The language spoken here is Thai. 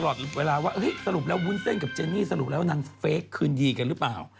เหรอว่านางเฟ้นไอนสรุนันเจนี่สรุปแล้วนางเฟ๊กคืนยีกันหรือเปล่า